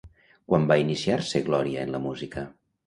Quan va iniciar-se Glòria en la música?